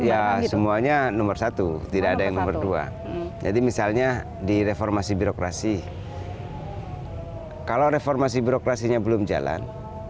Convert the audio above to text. ya semuanya nomor satu tidak ada yang nomor dua jadi misalnya di reformasi birokrasi kalau reformasi birokrasinya belum jalan